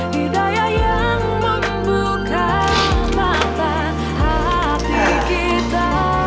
hidayah yang membuka mata hati kita